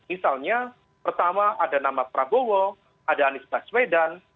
misalnya pertama ada nama prabowo ada anies baswedan